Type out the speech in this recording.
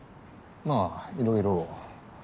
まぁいろいろ。